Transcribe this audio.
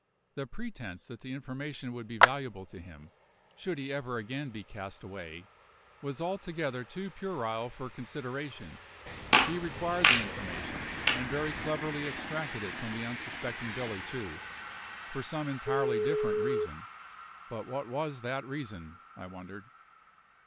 The pretence that the information would be valuable to him, should he ever again be cast away, was altogether too puerile for consideration; he required the information and very cleverly extracted it from the unsuspecting Billy, too for some entirely different reason. But what was that reason? I wondered.